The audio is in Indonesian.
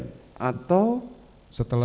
setelah kejadian begitu selesai kejadian